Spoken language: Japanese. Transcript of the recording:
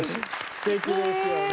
すてきですよね。